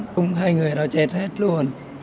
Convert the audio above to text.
cũng hai người đó chết hết luôn